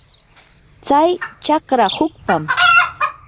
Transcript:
tsay chakra hukpam.